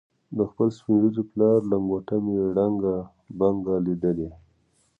د خپل سپین ږیري پلار لنګوټه مې ړنګه بنګه لیدلې.